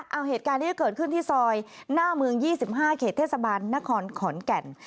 เอาเหตุการณ์นี้เกิดขึ้นที่ซอยหน้าเมือง๒๕เขตเทศบาลนครขอนแก่น